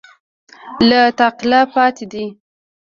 له تعقله پاتې دي